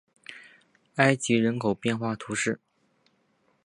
埃代人口变化图示